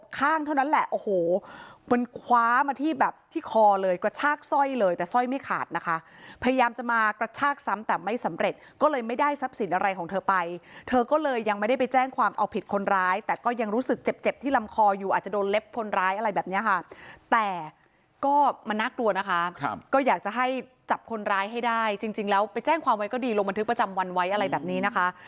ข้างเท่านั้นแหละโอ้โหมันคว้ามาที่แบบที่คอเลยกระชากสร้อยเลยแต่สร้อยไม่ขาดนะคะพยายามจะมากระชากซ้ำแต่ไม่สำเร็จก็เลยไม่ได้ทรัพย์สินอะไรของเธอไปเธอก็เลยยังไม่ได้ไปแจ้งความเอาผิดคนร้ายแต่ก็ยังรู้สึกเจ็บเจ็บที่ลำคออยู่อาจจะโดนเล็บคนร้ายอะไรแบบนี้ค่ะแต่ก็มันน่ากลัวนะคะก็อยากจะให้จับคนร้ายให้ได้จริงแล้วไปแจ้งความไว้ก็ดีลงบันทึกประจำวันไว้อะไรแบบนี้นะคะ